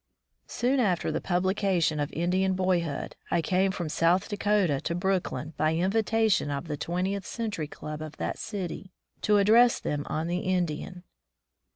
Soon after the publication of "Indian Boy hood", I came from South Dakota to Brooklyn by invitation of the Twentieth Century Club of that city, to address them on the Indian.